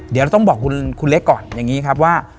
เดี๋ยวเราต้องบอกคุณเล็กก่อนอย่างนี้ครับว่า